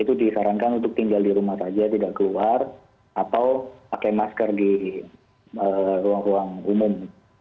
itu disarankan untuk tinggal di rumah saja tidak keluar atau pakai masker di ruang ruang umum